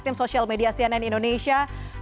terima kasih pak rumiko